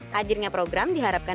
hadirnya program diharapkan